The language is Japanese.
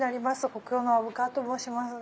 北陽の虻川と申しますが。